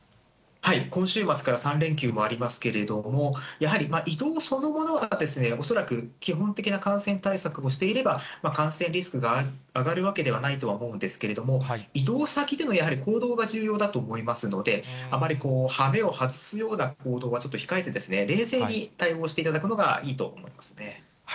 今週末から３連休もありますけれども、やはり移動そのものは恐らく、基本的な感染対策をしていれば、感染リスクが上がるわけではないとは思うんですけれども、移動先でのやはり行動が重要だと思いますので、あまり羽目を外すような行動はちょっと控えて、冷静に対応していただくのがいいと思いますね。